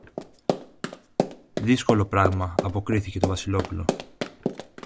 Δύσκολο πράμα, αποκρίθηκε το Βασιλόπουλο.